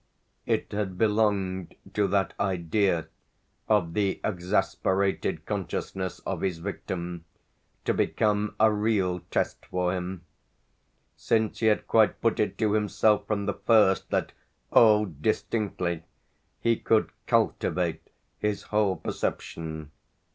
It had belonged to that idea of the exasperated consciousness of his victim to become a real test for him; since he had quite put it to himself from the first that, oh distinctly! he could "cultivate" his whole perception.